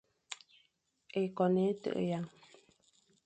Ékôn é tagha.